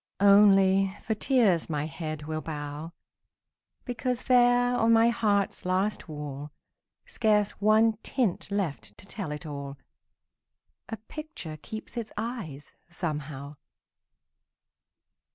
Only, for tears my head will bow, Because there on my heart's last wall, Scarce one tint left to tell it all, A picture keeps its eyes, somehow.